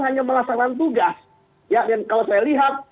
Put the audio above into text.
hanya melaksanakan tugas ya dan kalau saya